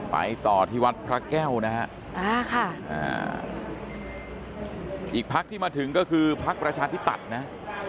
ไปต่อที่วัดพระแก้วนะฮะอีกพักที่มาถึงก็คือพักประชาธิปัตย์นะ